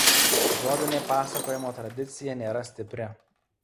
Žodinė pasakojimo tradicija nėra stipri.